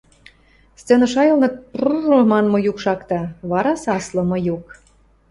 Сцена шайылны тпру-у манмы юк шакта, вара — саслымы юк.